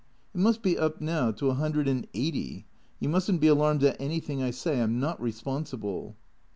" It must be up now to a hundred and eighty. You must n't be alarmed at anything I say. I 'm not responsible."